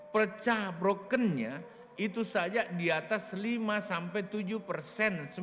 percah broken nya itu saja di atas lima tujuh sembilan